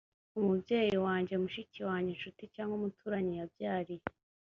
umubyeyi wanjye mushiki wanjye incuti cg umuturanyi yabyariye